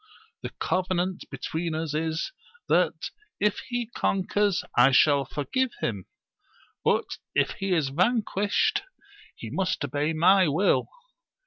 The covenant between us is, that, if he conquers, I shall forgive him ; but, ff he is vanquished, he must obey my will.